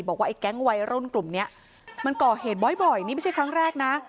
บอกว่าไอ้แก๊งวัยรุ่นกลุ่มนี้มันก่อเหตุบ่อยนี่ไม่ใช่ครั้งแรกนะ